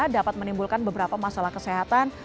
dapat menimbulkan beberapa masalah kesehatan